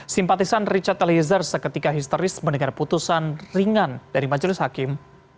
simpatisan richard eliezer seketika histeris mendengar putusan ringan dari majelis hakim